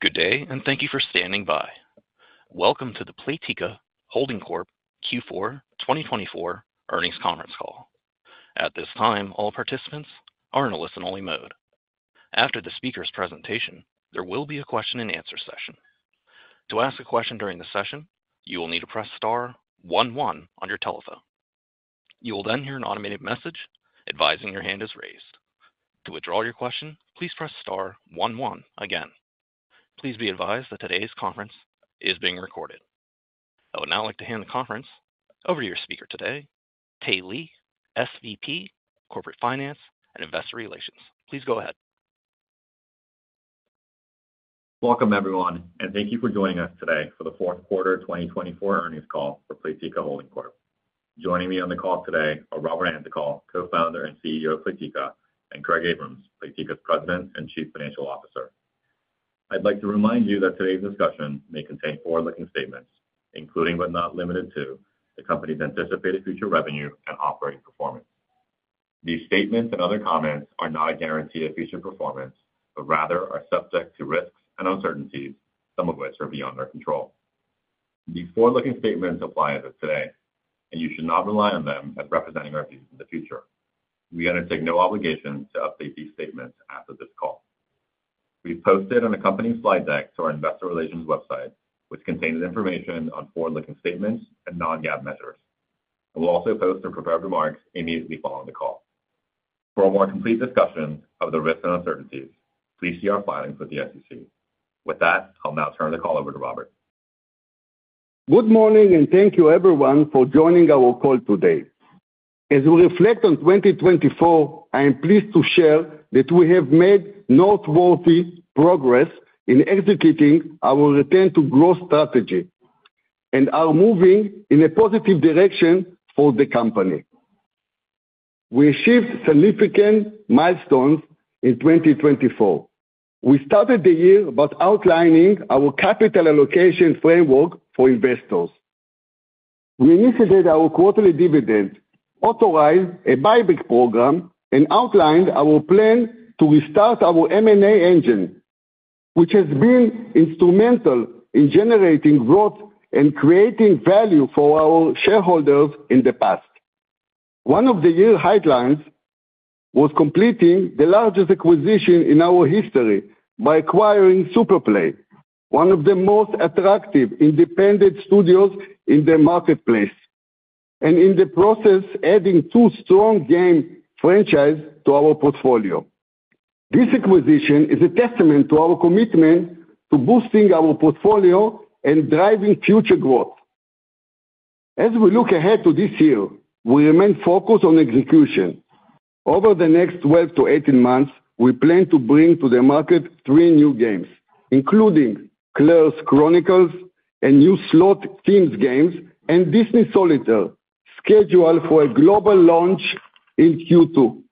Good day, and thank you for standing by. Welcome to the Playtika Holding Corp Q4 2024 Earnings Conference Call. At this time, all participants are in a listen-only mode. After the speaker's presentation, there will be a question-and-answer session. To ask a question during the session, you will need to press star one one on your telephone. You will then hear an automated message advising your hand is raised. To withdraw your question, please press star one one again. Please be advised that today's conference is being recorded. I would now like to hand the conference over to your speaker today, Tae Lee, SVP, Corporate Finance and Investor Relations. Please go ahead. Welcome, everyone, and thank you for joining us today for the fourth quarter 2024 earnings call for Playtika Holding Corp. Joining me on the call today are Robert Antokol, co-founder and CEO of Playtika, and Craig Abrahams, Playtika's President and Chief Financial Officer. I'd like to remind you that today's discussion may contain forward-looking statements, including but not limited to the company's anticipated future revenue and operating performance. These statements and other comments are not a guarantee of future performance, but rather are subject to risks and uncertainties, some of which are beyond our control. These forward-looking statements apply as of today, and you should not rely on them as representing our views of the future. We undertake no obligation to update these statements after this call. We've posted an accompanying slide deck to our investor relations website, which contains information on forward-looking statements and non-GAAP measures. We'll also post our prepared remarks immediately following the call. For a more complete discussion of the risks and uncertainties, please see our filings with the SEC. With that, I'll now turn the call over to Robert. Good morning, and thank you, everyone, for joining our call today. As we reflect on 2024, I am pleased to share that we have made noteworthy progress in executing our return-to-growth strategy and are moving in a positive direction for the company. We achieved significant milestones in 2024. We started the year by outlining our capital allocation framework for investors. We initiated our quarterly dividends, authorized a buyback program, and outlined our plan to restart our M&A engine, which has been instrumental in generating growth and creating value for our shareholders in the past. One of the year's highlights was completing the largest acquisition in our history by acquiring SuperPlay, one of the most attractive independent studios in the marketplace, and in the process, adding two strong game franchises to our portfolio. This acquisition is a testament to our commitment to boosting our portfolio and driving future growth. As we look ahead to this year, we remain focused on execution. Over the next 12 to 18 months, we plan to bring to the market three new games, including Claire's Chronicles, a new slot themed game, and Disney Solitaire, scheduled for a global launch in Q2.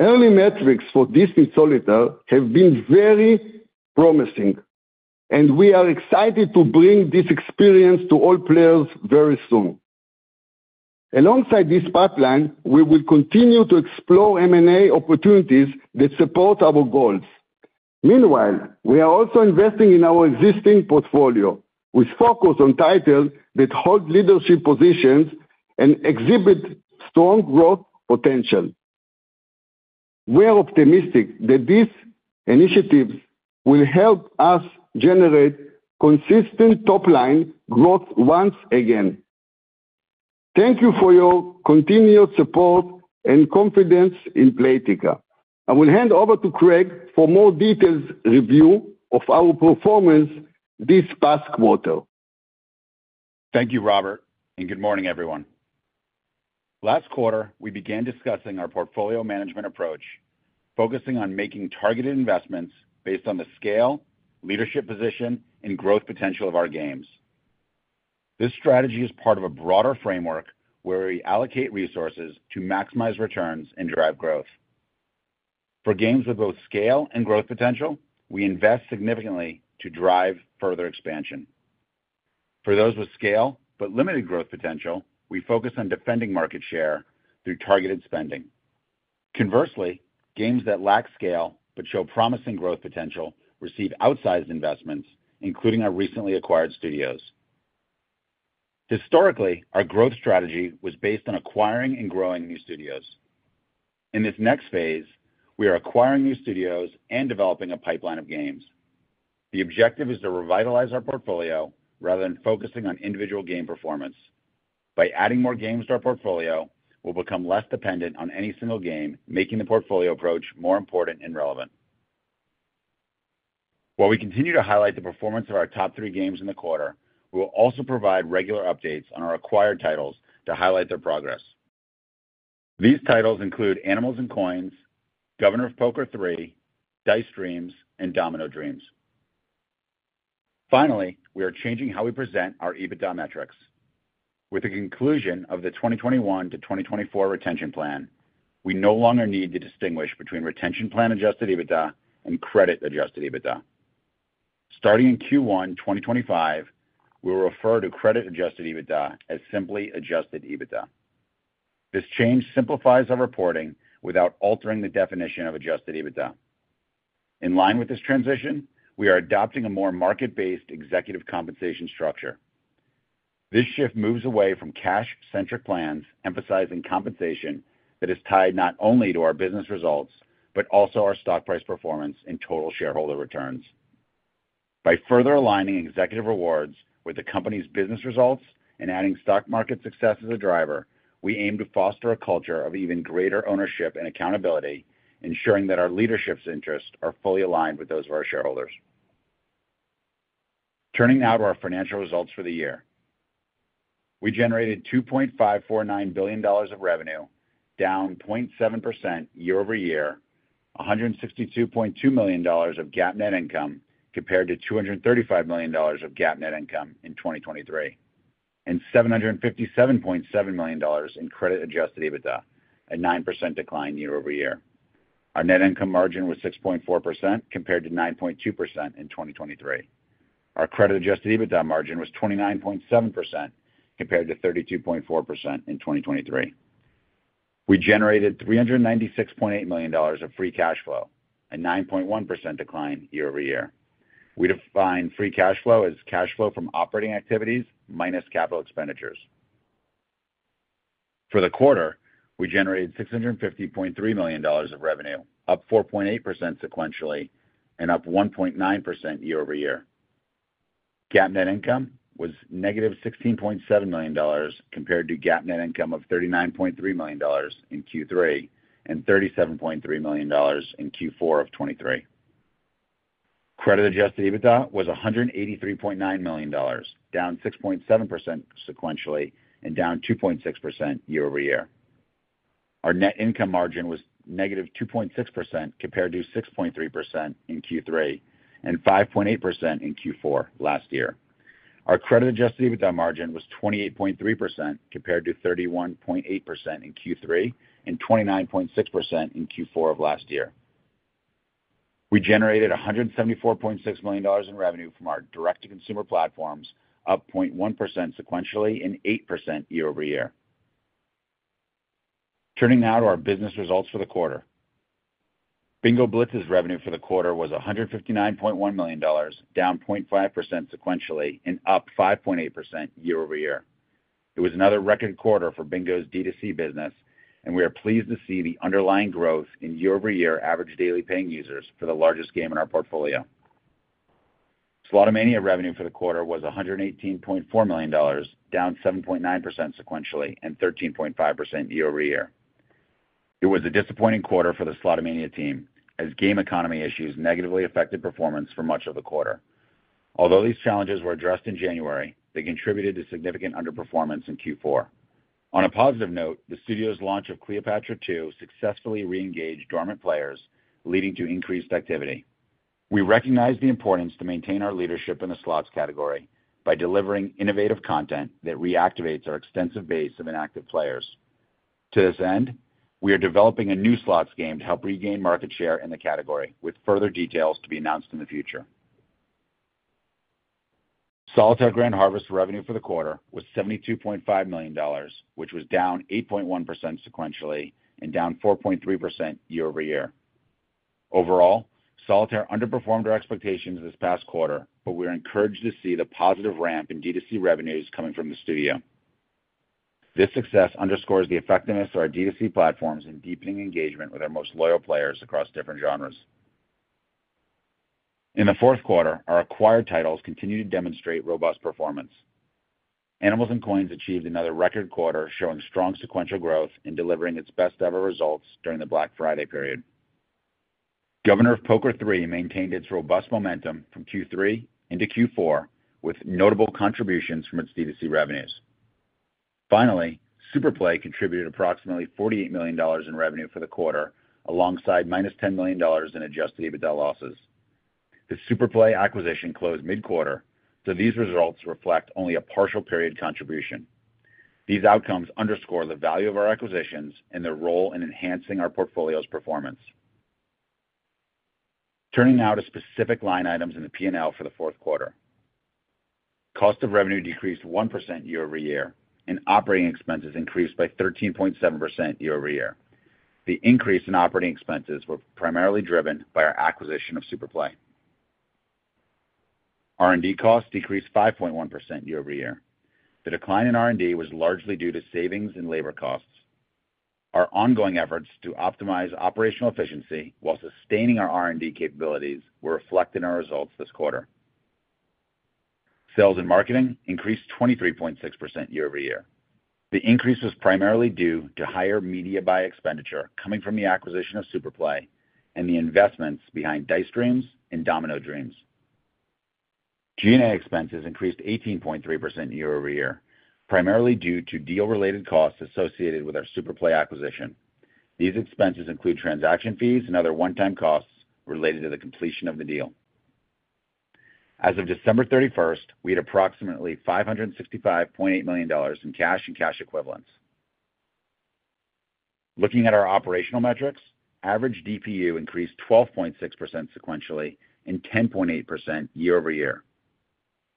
Early metrics for Disney Solitaire have been very promising, and we are excited to bring this experience to all players very soon. Alongside this pipeline, we will continue to explore M&A opportunities that support our goals. Meanwhile, we are also investing in our existing portfolio, with focus on titles that hold leadership positions and exhibit strong growth potential. We are optimistic that these initiatives will help us generate consistent top-line growth once again. Thank you for your continued support and confidence in Playtika. I will hand over to Craig for more detailed review of our performance this past quarter. Thank you, Robert, and good morning, everyone. Last quarter, we began discussing our portfolio management approach, focusing on making targeted investments based on the scale, leadership position, and growth potential of our games. This strategy is part of a broader framework where we allocate resources to maximize returns and drive growth. For games with both scale and growth potential, we invest significantly to drive further expansion. For those with scale but limited growth potential, we focus on defending market share through targeted spending. Conversely, games that lack scale but show promising growth potential receive outsized investments, including our recently acquired studios. Historically, our growth strategy was based on acquiring and growing new studios. In this next phase, we are acquiring new studios and developing a pipeline of games. The objective is to revitalize our portfolio rather than focusing on individual game performance. By adding more games to our portfolio, we'll become less dependent on any single game, making the portfolio approach more important and relevant. While we continue to highlight the performance of our top three games in the quarter, we will also provide regular updates on our acquired titles to highlight their progress. These titles include Animals & Coins, Governor of Poker 3, Dice Dreams, and Domino Dreams. Finally, we are changing how we present our EBITDA metrics. With the conclusion of the 2021 to 2024 retention plan, we no longer need to distinguish between retention plan Adjusted EBITDA and credit Adjusted EBITDA. Starting in Q1 2025, we will refer to credit Adjusted EBITDA as simply Adjusted EBITDA. This change simplifies our reporting without altering the definition of Adjusted EBITDA. In line with this transition, we are adopting a more market-based executive compensation structure. This shift moves away from cash-centric plans, emphasizing compensation that is tied not only to our business results but also our stock price performance and total shareholder returns. By further aligning executive rewards with the company's business results and adding stock market success as a driver, we aim to foster a culture of even greater ownership and accountability, ensuring that our leadership's interests are fully aligned with those of our shareholders. Turning now to our financial results for the year, we generated $2.549 billion of revenue, down 0.7% year over year, $162.2 million of GAAP net income compared to $235 million of GAAP net income in 2023, and $757.7 million in Credit Adjusted EBITDA, a 9% decline year over year. Our net income margin was 6.4% compared to 9.2% in 2023. Our Credit Adjusted EBITDA margin was 29.7% compared to 32.4% in 2023. We generated $396.8 million of Free Cash Flow, a 9.1% decline year over year. We define Free Cash Flow as cash flow from operating activities minus capital expenditures. For the quarter, we generated $650.3 million of revenue, up 4.8% sequentially and up 1.9% year over year. GAAP net income was negative $16.7 million compared to GAAP net income of $39.3 million in Q3 and $37.3 million in Q4 of 2023. Credit Adjusted EBITDA was $183.9 million, down 6.7% sequentially and down 2.6% year over year. Our net income margin was negative 2.6% compared to 6.3% in Q3 and 5.8% in Q4 last year. Our Credit Adjusted EBITDA margin was 28.3% compared to 31.8% in Q3 and 29.6% in Q4 of last year. We generated $174.6 million in revenue from our direct-to-consumer platforms, up 0.1% sequentially and 8% year over year. Turning now to our business results for the quarter, Bingo Blitz's revenue for the quarter was $159.1 million, down 0.5% sequentially and up 5.8% year over year. It was another record quarter for Bingo's D2C business, and we are pleased to see the underlying growth in year-over-year average daily paying users for the largest game in our portfolio. Slotomania revenue for the quarter was $118.4 million, down 7.9% sequentially and 13.5% year over year. It was a disappointing quarter for the Slotomania team, as game economy issues negatively affected performance for much of the quarter. Although these challenges were addressed in January, they contributed to significant underperformance in Q4. On a positive note, the studio's launch of Cleopatra II successfully re-engaged dormant players, leading to increased activity. We recognize the importance to maintain our leadership in the slots category by delivering innovative content that reactivates our extensive base of inactive players. To this end, we are developing a new slots game to help regain market share in the category, with further details to be announced in the future. Solitaire Grand Harvest's revenue for the quarter was $72.5 million, which was down 8.1% sequentially and down 4.3% year over year. Overall, Solitaire underperformed our expectations this past quarter, but we are encouraged to see the positive ramp in D2C revenues coming from the studio. This success underscores the effectiveness of our D2C platforms in deepening engagement with our most loyal players across different genres. In the fourth quarter, our acquired titles continue to demonstrate robust performance. Animals & Coins achieved another record quarter, showing strong sequential growth in delivering its best-ever results during the Black Friday period. Governor of Poker 3 maintained its robust momentum from Q3 into Q4 with notable contributions from its D2C revenues. Finally, SuperPlay contributed approximately $48 million in revenue for the quarter, alongside minus $10 million in Adjusted EBITDA losses. The SuperPlay acquisition closed mid-quarter, so these results reflect only a partial period contribution. These outcomes underscore the value of our acquisitions and their role in enhancing our portfolio's performance. Turning now to specific line items in the P&L for the fourth quarter, cost of revenue decreased 1% year over year, and operating expenses increased by 13.7% year over year. The increase in operating expenses was primarily driven by our acquisition of SuperPlay. R&D costs decreased 5.1% year over year. The decline in R&D was largely due to savings in labor costs. Our ongoing efforts to optimize operational efficiency while sustaining our R&D capabilities were reflected in our results this quarter. Sales and marketing increased 23.6% year over year. The increase was primarily due to higher media buy expenditure coming from the acquisition of SuperPlay and the investments behind Dice Dreams and Domino Dreams. G&A expenses increased 18.3% year over year, primarily due to deal-related costs associated with our SuperPlay acquisition. These expenses include transaction fees and other one-time costs related to the completion of the deal. As of December 31st, we had approximately $565.8 million in cash and cash equivalents. Looking at our operational metrics, average DPU increased 12.6% sequentially and 10.8% year over year.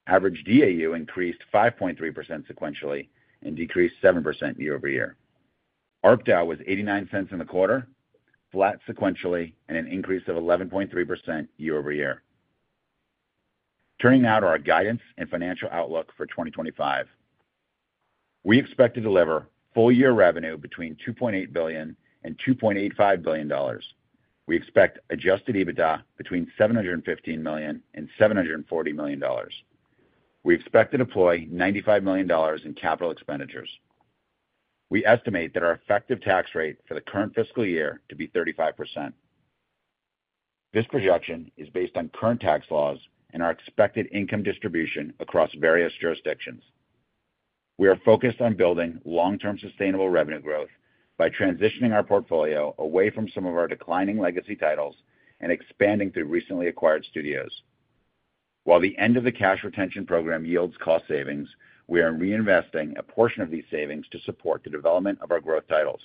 Average DAU increased 5.3% sequentially and decreased 7% year over year. ARPDA was $0.89 in the quarter, flat sequentially, and an increase of 11.3% year over year. Turning now to our guidance and financial outlook for 2025, we expect to deliver full-year revenue between $2.8 billion and $2.85 billion. We expect Adjusted EBITDA between $715 million and $740 million. We expect to deploy $95 million in capital expenditures. We estimate that our effective tax rate for the current fiscal year to be 35%. This projection is based on current tax laws and our expected income distribution across various jurisdictions. We are focused on building long-term sustainable revenue growth by transitioning our portfolio away from some of our declining legacy titles and expanding through recently acquired studios. While the end of the cash retention program yields cost savings, we are reinvesting a portion of these savings to support the development of our growth titles.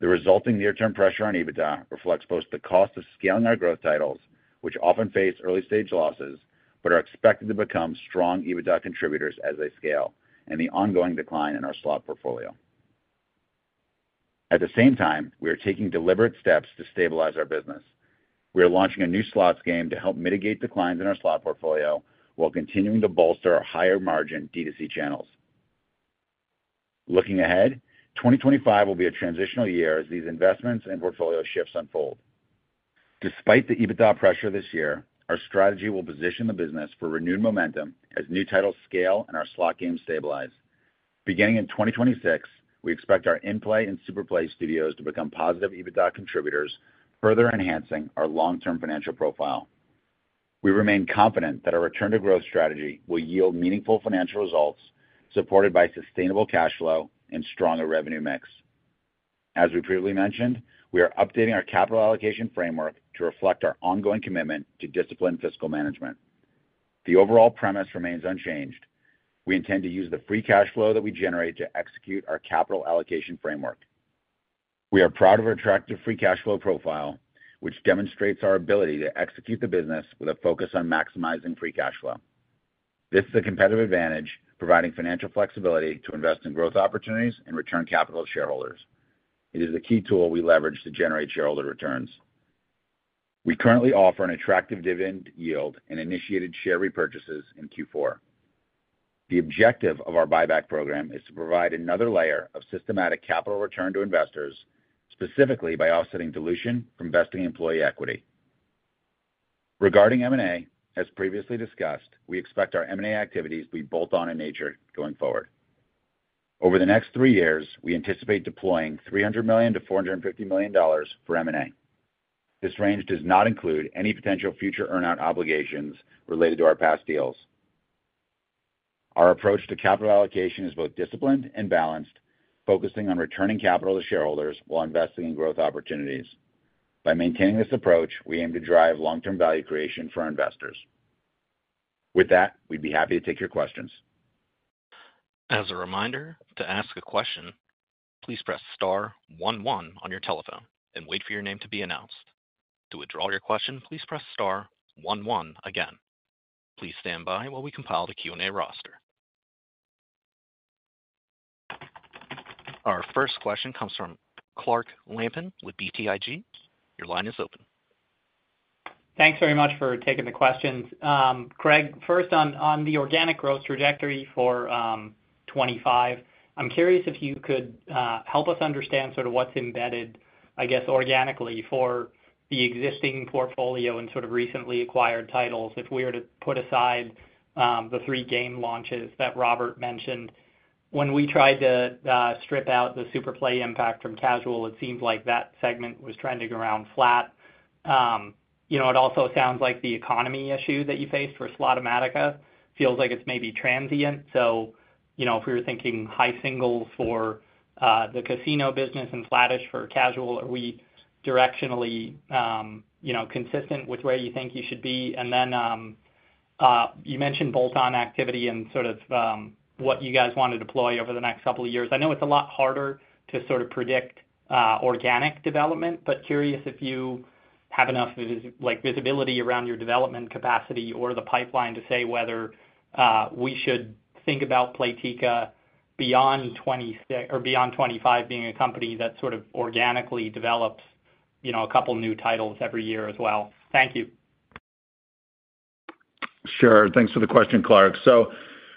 The resulting near-term pressure on EBITDA reflects both the cost of scaling our growth titles, which often face early-stage losses, but are expected to become strong EBITDA contributors as they scale, and the ongoing decline in our slot portfolio. At the same time, we are taking deliberate steps to stabilize our business. We are launching a new slots game to help mitigate declines in our slot portfolio while continuing to bolster our higher-margin D2C channels. Looking ahead, 2025 will be a transitional year as these investments and portfolio shifts unfold. Despite the EBITDA pressure this year, our strategy will position the business for renewed momentum as new titles scale and our slot game stabilize. Beginning in 2026, we expect our Innplay and SuperPlay studios to become positive EBITDA contributors, further enhancing our long-term financial profile. We remain confident that our return-to-growth strategy will yield meaningful financial results supported by sustainable cash flow and stronger revenue mix. As we previously mentioned, we are updating our capital allocation framework to reflect our ongoing commitment to disciplined fiscal management. The overall premise remains unchanged. We intend to use the free cash flow that we generate to execute our capital allocation framework. We are proud of our attractive free cash flow profile, which demonstrates our ability to execute the business with a focus on maximizing free cash flow. This is a competitive advantage, providing financial flexibility to invest in growth opportunities and return capital to shareholders. It is the key tool we leverage to generate shareholder returns. We currently offer an attractive dividend yield and initiated share repurchases in Q4. The objective of our buyback program is to provide another layer of systematic capital return to investors, specifically by offsetting dilution from vesting employee equity. Regarding M&A, as previously discussed, we expect our M&A activities to be bolt-on in nature going forward. Over the next three years, we anticipate deploying $300 million-$450 million for M&A. This range does not include any potential future earnout obligations related to our past deals. Our approach to capital allocation is both disciplined and balanced, focusing on returning capital to shareholders while investing in growth opportunities. By maintaining this approach, we aim to drive long-term value creation for our investors. With that, we'd be happy to take your questions. As a reminder, to ask a question, please press star one one on your telephone and wait for your name to be announced. To withdraw your question, please press star one one again. Please stand by while we compile the Q&A roster. Our first question comes from Clark Lampen with BTIG. Your line is open. Thanks very much for taking the questions. Craig, first, on the organic growth trajectory for 2025, I'm curious if you could help us understand sort of what's embedded, I guess, organically for the existing portfolio and sort of recently acquired titles. If we were to put aside the three game launches that Robert mentioned, when we tried to strip out the SuperPlay impact from casual, it seems like that segment was trending around flat. It also sounds like the economy issue that you faced for Slotomania feels like it's maybe transient. So if we were thinking high singles for the casino business and flattish for casual, are we directionally consistent with where you think you should be? And then you mentioned bolt-on activity and sort of what you guys want to deploy over the next couple of years. I know it's a lot harder to sort of predict organic development, but curious if you have enough visibility around your development capacity or the pipeline to say whether we should think about Playtika beyond 2025 being a company that sort of organically develops a couple of new titles every year as well. Thank you. Sure. Thanks for the question, Clark. So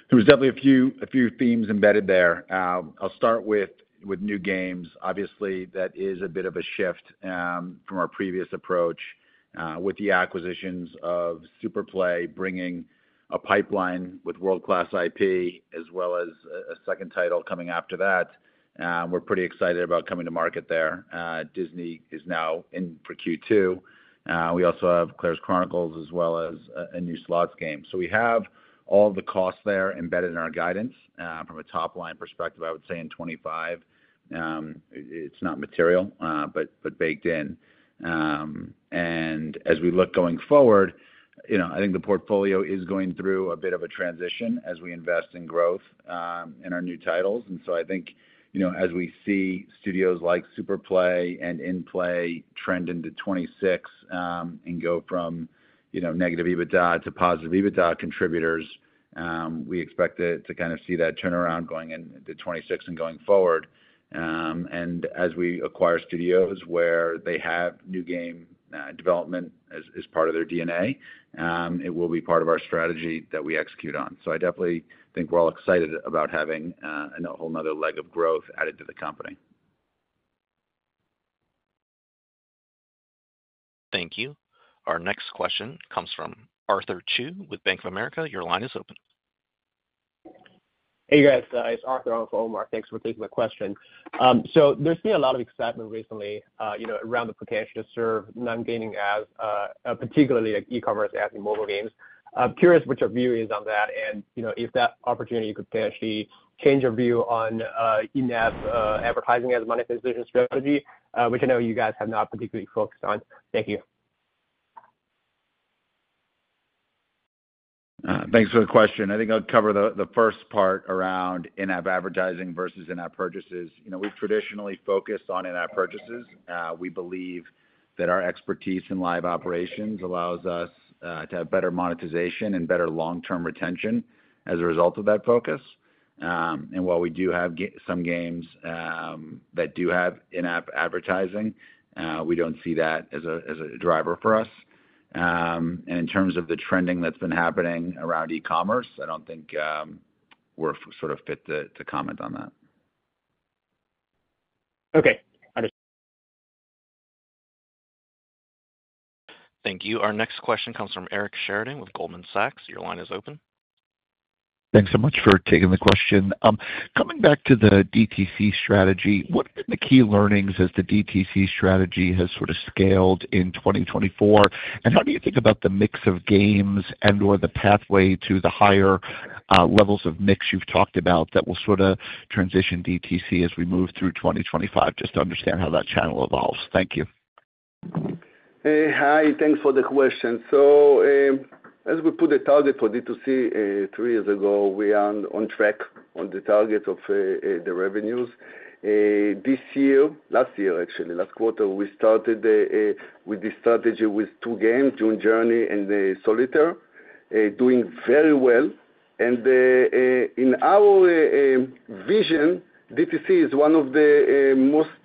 there were definitely a few themes embedded there. I'll start with new games. Obviously, that is a bit of a shift from our previous approach with the acquisitions of SuperPlay, bringing a pipeline with world-class IP, as well as a second title coming after that. We're pretty excited about coming to market there. Disney is now in for Q2. We also have Claire's Chronicles as well as a new slots game. So we have all the costs there embedded in our guidance. From a top-line perspective, I would say in 2025, it's not material, but baked in, and as we look going forward, I think the portfolio is going through a bit of a transition as we invest in growth in our new titles, and so I think as we see studios like SuperPlay and Innplay trend into 2026 and go from negative EBITDA to positive EBITDA contributors, we expect to kind of see that turnaround going into 2026 and going forward, and as we acquire studios where they have new game development as part of their DNA, it will be part of our strategy that we execute on, so I definitely think we're all excited about having a whole nother leg of growth added to the company. Thank you. Our next question comes from Arthur Chu with Bank of America. Your line is open. Hey, guys. It's Arthur from BofA. Thanks for taking the question. So there's been a lot of excitement recently around the potential to serve non-gaming ads, particularly e-commerce ads, in mobile games. I'm curious what your view is on that and if that opportunity could potentially change your view on in-app advertising as a monetization strategy, which I know you guys have not particularly focused on. Thank you. Thanks for the question. I think I'll cover the first part around in-app advertising versus in-app purchases. We've traditionally focused on in-app purchases. We believe that our expertise in live operations allows us to have better monetization and better long-term retention as a result of that focus. And while we do have some games that do have in-app advertising, we don't see that as a driver for us. And in terms of the trending that's been happening around e-commerce, I don't think we're sort of fit to comment on that. Okay. Understood. Thank you. Our next question comes from Eric Sheridan with Goldman Sachs. Your line is open. Thanks so much for taking the question. Coming back to the DTC strategy, what are the key learnings as the DTC strategy has sort of scaled in 2024? And how do you think about the mix of games and/or the pathway to the higher levels of mix you've talked about that will sort of transition DTC as we move through 2025? Just to understand how that channel evolves. Thank you. Hey, hi. Thanks for the question. So as we put a target for DTC three years ago, we are on track on the target of the revenues. This year, last year, actually, last quarter, we started with the strategy with two games, June's Journey and Solitaire, doing very well. And in our vision, D2C is one of the most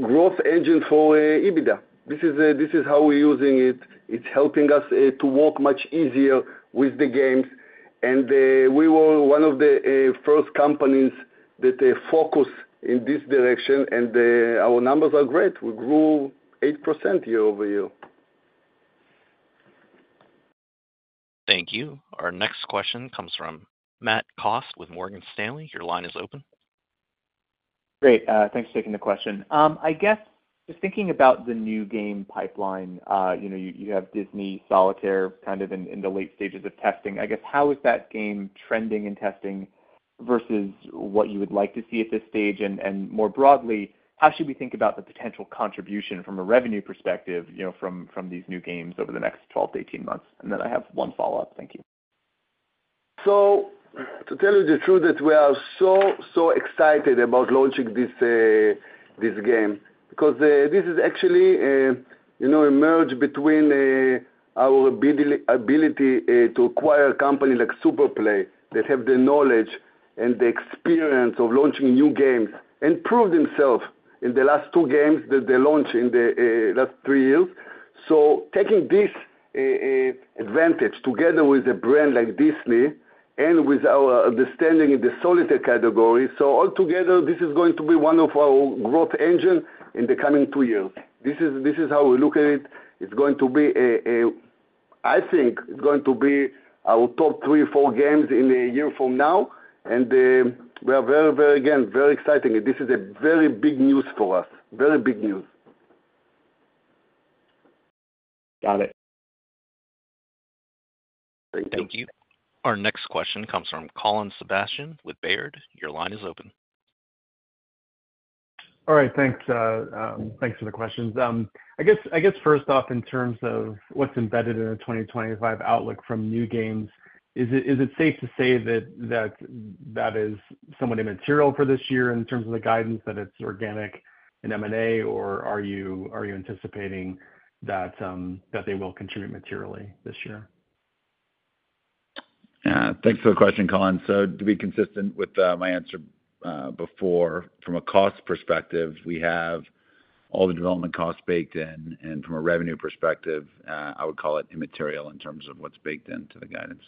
growth engines for EBITDA. This is how we're using it. It's helping us to work much easier with the games. And we were one of the first companies that focused in this direction, and our numbers are great. We grew 8% year over year. Thank you. Our next question comes from Matt Cost with Morgan Stanley. Your line is open. Great. Thanks for taking the question. I guess just thinking about the new game pipeline, you have Disney Solitaire kind of in the late stages of testing. I guess how is that game trending in testing versus what you would like to see at this stage? And more broadly, how should we think about the potential contribution from a revenue perspective from these new games over the next 12-18 months? And then I have one follow-up. Thank you. So to tell you the truth, we are so, so excited about launching this game because this is actually a merge between our ability to acquire a company like SuperPlay that has the knowledge and the experience of launching new games and proved themselves in the last two games that they launched in the last three years. So taking this advantage together with a brand like Disney and with our understanding in the Solitaire category, so altogether, this is going to be one of our growth engines in the coming two years. This is how we look at it. It's going to be, I think, it's going to be our top three, four games in a year from now. And we are very, very, again, very excited. This is very big news for us. Very big news. Got it. Thank you. Thank you. Our next question comes from Colin Sebastian with Baird. Your line is open. All right. Thanks. Thanks for the questions. I guess first off, in terms of what's embedded in a 2025 outlook from new games, is it safe to say that that is somewhat immaterial for this year in terms of the guidance that it's organic and M&A, or are you anticipating that they will contribute materially this year? Thanks for the question, Colin. So to be consistent with my answer before, from a cost perspective, we have all the development costs baked in. And from a revenue perspective, I would call it immaterial in terms of what's baked into the guidance.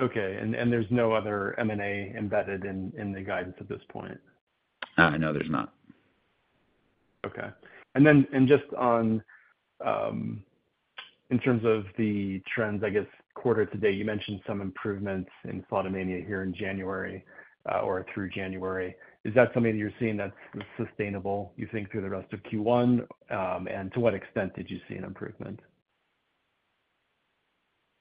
Okay. And there's no other M&A embedded in the guidance at this point? No, there's not. Okay. And then just in terms of the trends, I guess, quarter to date, you mentioned some improvements in Slotomania here in January or through January. Is that something that you're seeing that's sustainable, you think, through the rest of Q1? And to what extent did you see an improvement?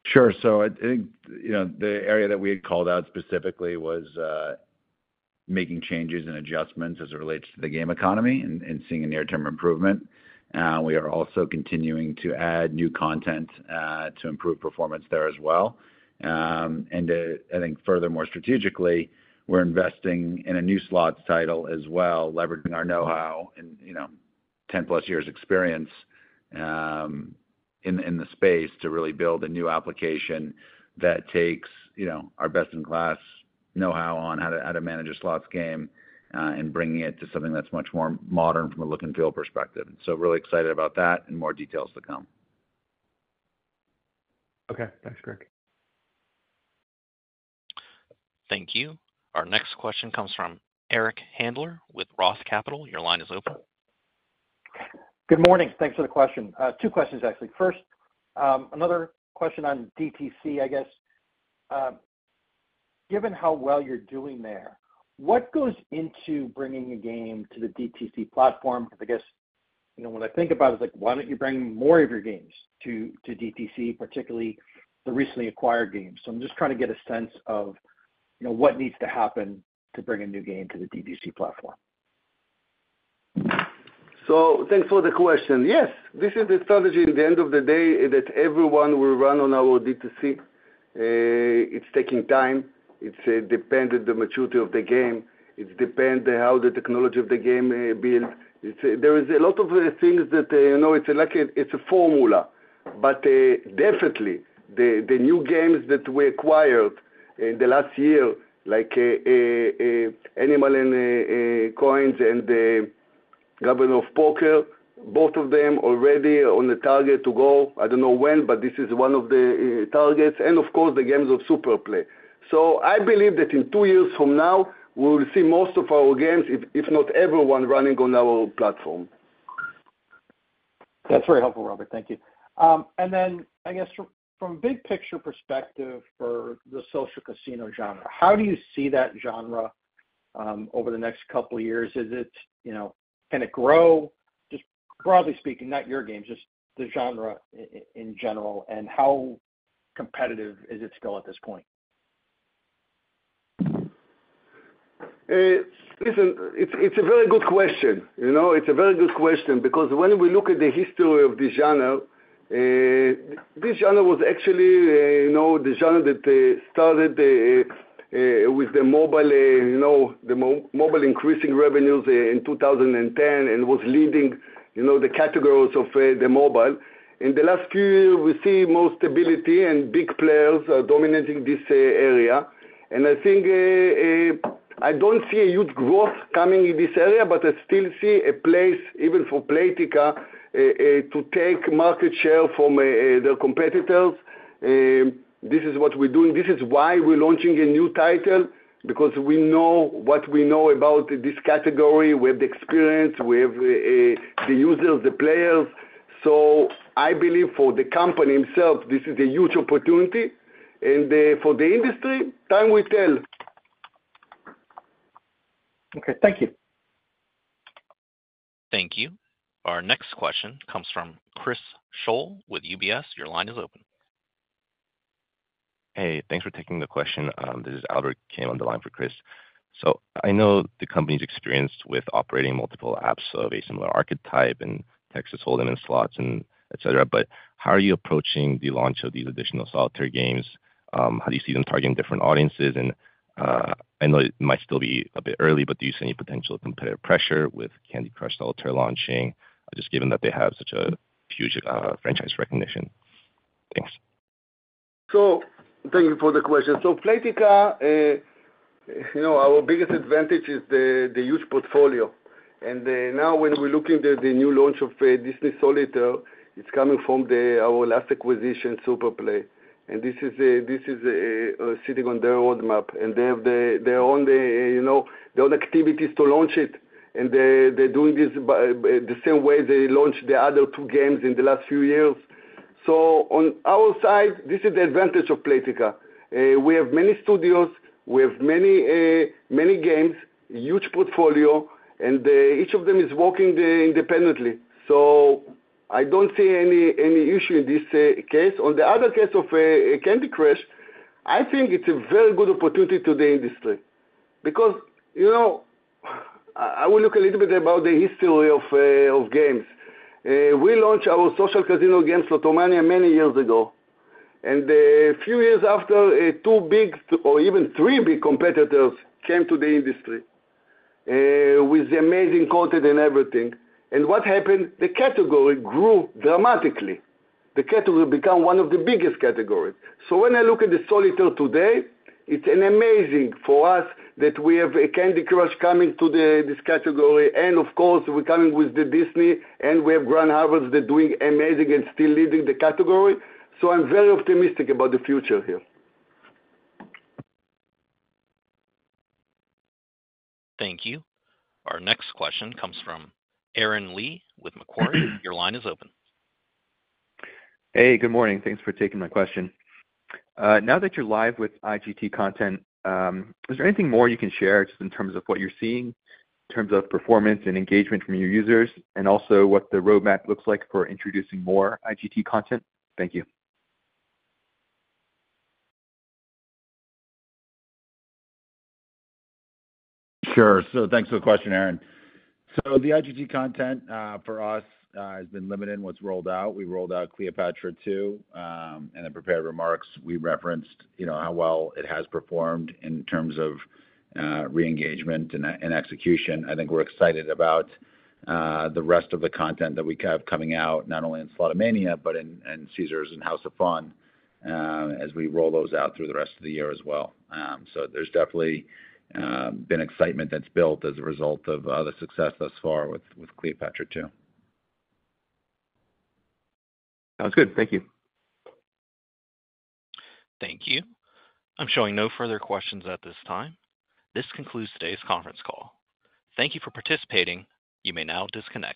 Sure. So I think the area that we had called out specifically was making changes and adjustments as it relates to the game economy and seeing a near-term improvement. We are also continuing to add new content to improve performance there as well. And I think furthermore, strategically, we're investing in a new slots title as well, leveraging our know-how and 10-plus years' experience in the space to really build a new application that takes our best-in-class know-how on how to manage a slots game and bringing it to something that's much more modern from a look-and-feel perspective. So really excited about that and more details to come. Okay. Thanks, Craig. Thank you. Our next question comes from Eric Handler with Roth Capital. Your line is open. Good morning. Thanks for the question. Two questions, actually. First, another question on D2C, I guess. Given how well you're doing there, what goes into bringing a game to the D2C platform? Because I guess when I think about it, it's like, why don't you bring more of your games to D2C, particularly the recently acquired games? So I'm just trying to get a sense of what needs to happen to bring a new game to the D2C platform. So thanks for the question. Yes. This is the strategy at the end of the day that everyone will run on our D2C. It's taking time. It depends on the maturity of the game. It depends on how the technology of the game builds. There is a lot of things that it's like it's a formula. But definitely, the new games that we acquired in the last year, like Animals & Coins and Governor of Poker, both of them already on the target to go. I don't know when, but this is one of the targets. And of course, the games of SuperPlay. So I believe that in two years from now, we will see most of our games, if not everyone, running on our platform. That's very helpful, Robert. Thank you. And then I guess from a big-picture perspective for the social casino genre, how do you see that genre over the next couple of years? Is it going to grow? Just broadly speaking, not your games, just the genre in general. And how competitive is it still at this point? Listen, it's a very good question. It's a very good question because when we look at the history of the genre, this genre was actually the genre that started with the mobile increasing revenues in 2010 and was leading the categories of the mobile. In the last few years, we see more stability and big players dominating this area. And I think I don't see a huge growth coming in this area, but I still see a place, even for Playtika, to take market share from their competitors. This is what we're doing. This is why we're launching a new title because we know what we know about this category. We have the experience. We have the users, the players. So I believe for the company itself, this is a huge opportunity, and for the industry, time will tell. Okay. Thank you. Thank you. Our next question comes from Chris Tschohl with UBS. Your line is open. Hey, thanks for taking the question. This is Albert Kim on the line for Chris. So I know the company's experience with operating multiple apps of a similar archetype and Texas Hold'em and slots, etc., but how are you approaching the launch of these additional solitaire games? How do you see them targeting different audiences? And I know it might still be a bit early, but do you see any potential competitive pressure with Candy Crush Solitaire launching, just given that they have such a huge franchise recognition? Thanks. So thank you for the question. So Playtika, our biggest advantage is the huge portfolio. And now when we're looking at the new launch of Disney Solitaire, it's coming from our last acquisition, SuperPlay. And this is sitting on their roadmap. And they have their own activities to launch it. And they're doing this the same way they launched the other two games in the last few years. So on our side, this is the advantage of Playtika. We have many studios. We have many games, huge portfolio, and each of them is working independently. So I don't see any issue in this case. On the other case of Candy Crush, I think it's a very good opportunity to the industry because I will look a little bit about the history of games. We launched our social casino game, Slotomania, many years ago. And a few years after, two big or even three big competitors came to the industry with amazing content and everything. And what happened? The category grew dramatically. The category became one of the biggest categories. So when I look at the Solitaire today, it's amazing for us that we have Candy Crush coming to this category. And of course, we're coming with the Disney Solitaire, and we have Solitaire Grand Harvest that are doing amazing and still leading the category. So I'm very optimistic about the future here. Thank you. Our next question comes from Aaron Lee with Macquarie. Your line is open. Hey, good morning. Thanks for taking my question. Now that you're live with IGT content, is there anything more you can share just in terms of what you're seeing, in terms of performance and engagement from your users, and also what the roadmap looks like for introducing more IGT content? Thank you. Sure. So thanks for the question, Aaron. So the IGT content for us has been limited in what's rolled out. We rolled out Cleopatra II and the prepared remarks. We referenced how well it has performed in terms of re-engagement and execution. I think we're excited about the rest of the content that we have coming out, not only in Slotomania, but in Caesars and House of Fun, as we roll those out through the rest of the year as well. So there's definitely been excitement that's built as a result of the success thus far with Cleopatra II. Sounds good. Thank you. Thank you. I'm showing no further questions at this time. This concludes today's conference call. Thank you for participating. You may now disconnect.